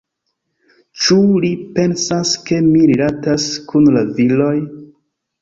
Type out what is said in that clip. Ĉu li pensas ke mi rilatas kun la viroj?